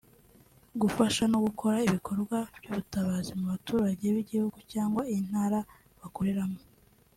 gufasha no gukora ibikorwa by’ubutabazi mu baturage b’igihugu cyangwa intara bakoreramo